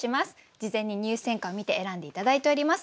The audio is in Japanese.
事前に入選歌を見て選んで頂いております。